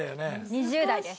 ２０代です。